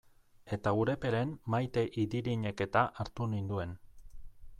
Eta Urepelen Maite Idirinek-eta hartu ninduen.